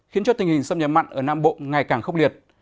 khiến cho tình hình sâm nhầm mặn ở nam bộ ngày càng khốc liệt